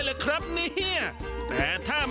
ถ้ากินหมด๕๐ชาม